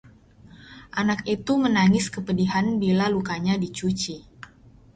anak itu menangis kepedihan bila lukanya dicuci